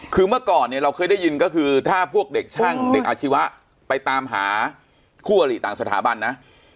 คือเมื่อก่อนเนี่ยเราเคยได้ยินก็คือถ้าพวกเด็กช่างเด็กอาชีวะไปตามหาคู่อลิต่างสถาบันนะ